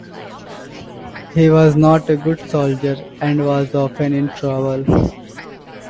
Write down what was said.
He was not a good soldier, and was often in trouble.